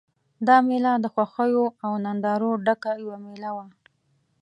دا مېله د خوښیو او نندارو ډکه یوه مېله وه.